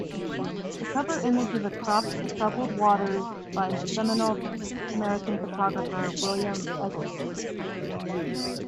The cover image is a cropped "Troubled Waters" by seminal American photographer William Eggleston.